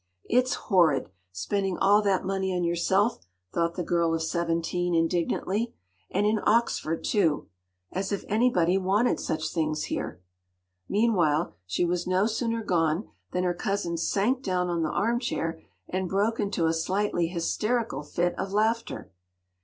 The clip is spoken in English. “It’s horrid!—spending all that money on yourself,” thought the girl of seventeen indignantly. “And in Oxford too!—as if anybody wanted such things here.” Meanwhile, she was no sooner gone than her cousin sank down on the armchair, and broke into a slightly hysterical fit of laughter.